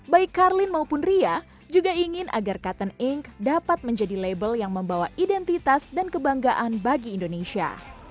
baik carlin maupun ria juga ingin agar cotton ink dapat menjadi label yang membawa identitas dan kebanggaan bagi indonesia